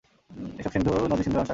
এসব নদী সিন্ধু নদের শাখা।